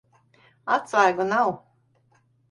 Atslēgu nav.